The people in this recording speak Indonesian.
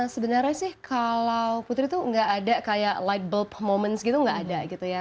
sebenarnya sih kalau putri tuh gak ada kayak light bulb moments gitu nggak ada gitu ya